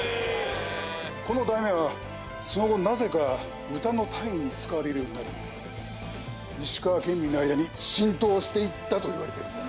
この題目はその後なぜか歌の単位に使われるようになり石川県民の間に浸透していったと言われてるんだ。